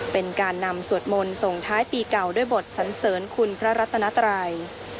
เป็นการนำสวดมนต์ส่งท้ายปีเก่าด้วยบทสันเสริญคุณพระรัตนัตรัย